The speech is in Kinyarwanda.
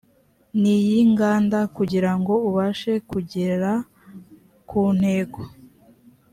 n iy inganda kugirango ubashe kugera ku ntego